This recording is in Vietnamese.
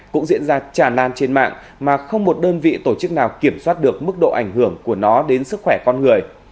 cũng diễn ra tràn lan trên mạng mà không một đơn vị tổ chức nào kiểm soát được mức độ ảnh hưởng của nó đến sức khỏe con người